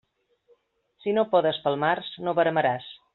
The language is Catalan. Si no podes pel març, no veremaràs.